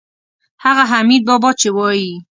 هغه حمیدبابا چې وایي.